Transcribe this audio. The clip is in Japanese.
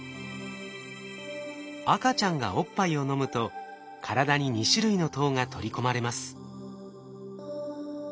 赤ちゃんがおっぱいを飲むと体に２種類の糖が取り込まれます。